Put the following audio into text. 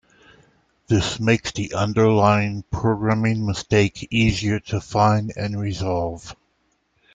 This makes the underlying programming mistake easier to find and resolve.